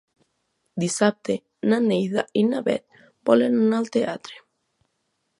Dissabte na Neida i na Bet volen anar al teatre.